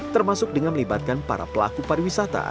termasuk dengan melibatkan para pelaku pariwisata